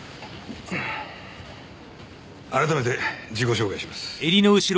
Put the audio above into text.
改めて自己紹介します。